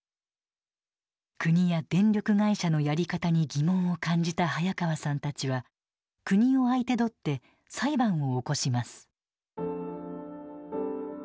国や電力会社のやり方に疑問を感じた早川さんたちは国を相手取って裁判を起こします。